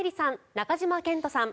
中島健人さん